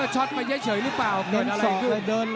ช็อตไม่เยอะเฉยหรือเปล่าเกิดอะไรขึ้น